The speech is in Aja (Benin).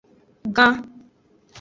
Gan.